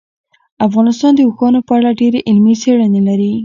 افغانستان د اوښانو په اړه ډېرې علمي څېړنې لري.